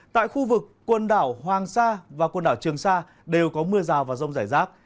tại khu vực quần đảo hoàng sa và quần đảo trường sa đều có mưa rào và rông rải rác